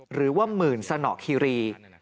หรือว่าหมื่นสนคิรี